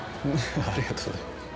ありがとうございます。